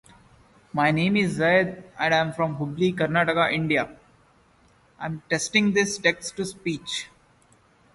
Flagstad was unknown in the United States at the time.